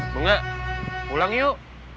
pengen ga pulang yuk